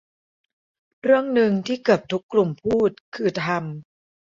เรื่องนึงที่เกือบทุกกลุ่มพูดคือทำ